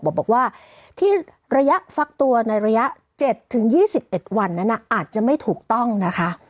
บอกว่าที่ระยะฟักตัวในระยะ๗๒๑วันนั้นอาจจะไม่ถูกต้องนะคะ